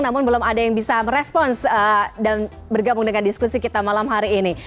namun belum ada yang bisa merespons dan bergabung dengan diskusi kita malam hari ini